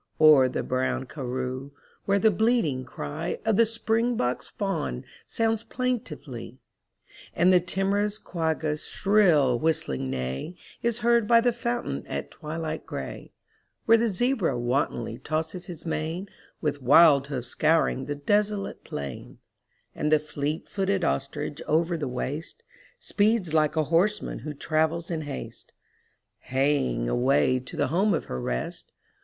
0*er the brown karroo, where the bleating cry Of the springbok's fawn sounds plaintively; And the timorous quagga's shrill whistling neigh Is heard by the fountain at twilight gray; Where the zebra wantonly tosses his mane, With wild hoof scouring the desolate plain; And the fleet footed ostrich over the waste Speeds like a horseman who travels in haste. Hieing away to the home of her rest.